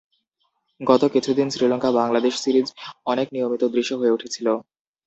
গত কিছুদিন শ্রীলঙ্কা বাংলাদেশ সিরিজ অনেক নিয়মিত দৃশ্য হয়ে উঠেছিল।